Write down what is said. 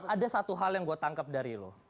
ada satu hal yang gue tangkap dari lo